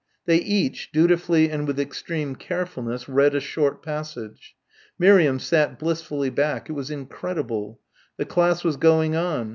They each, dutifully and with extreme carefulness read a short passage. Miriam sat blissfully back. It was incredible. The class was going on.